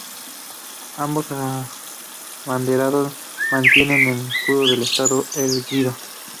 Ambos abanderados mantienen el escudo del estado erguido.